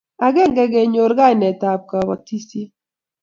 Agenge konyor kanenetab kobotisiet